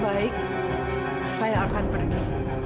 baik saya akan pergi